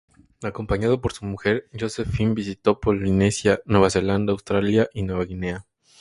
Acompañado por su mujer, Josephine, visitó Polinesia, Nueva Zelanda, Australia y Nueva Guinea.